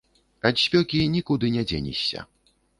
Ад спёкі нікуды не дзенешся.